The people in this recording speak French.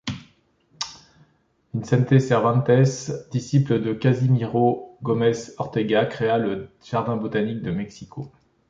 Vicente Cervantes, disciple de Casimiro Gómez Ortega, créa le Jardin botanique de Mexico.